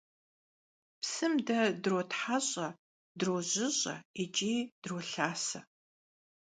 Psım de zrıdotheş', drojış'e yiç'i drolhase.